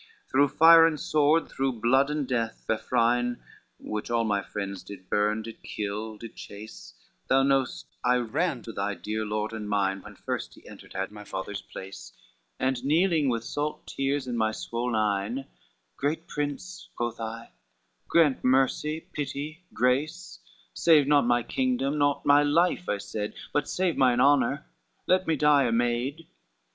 XCIII "Through fire and sword, through blood and death, Vafrine, Which all my friends did burn, did kill, did chase, Thou know'st I ran to thy dear lord and mine, When first he entered had my father's place, And kneeling with salt ears in my swollen eyne; 'Great prince,' quoth I, 'grant mercy, pity, grace, Save not my kingdom, not my life I said, But save mine honor, let me die a maid.